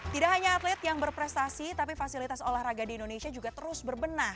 tidak hanya atlet yang berprestasi tapi fasilitas olahraga di indonesia juga terus berbenah